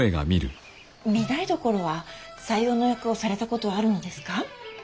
御台所は斎王の役をされたことはあるのですか。